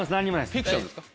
フィクションですか？